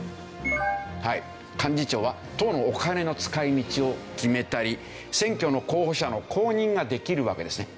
幹事長は党のお金の使い道を決めたり選挙の候補者の公認ができるわけですね。